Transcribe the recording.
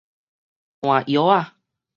換藥仔